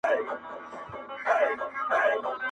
چي جوړ کړی چا خپلوانو ته زندان وي -